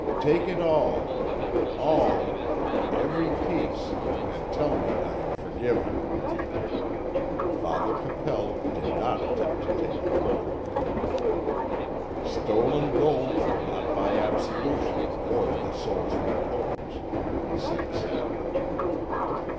Take it all all every piece and tell me I am forgiven." Father Capel did not attempt to take the money. "Stolen gold will not buy absolution or the soul's repose," he said sadly.